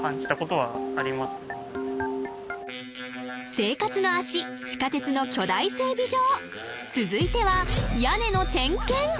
生活の足地下鉄の巨大整備場続いては屋根の点検！